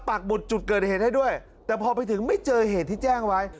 บุตรจุดเกิดเหตุให้ด้วยแต่พอไปถึงไม่เจอเหตุที่แจ้งไว้